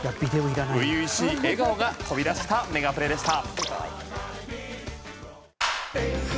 初々しい笑顔が飛び出したメガプレでした。